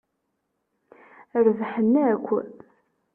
Rebḥen akk!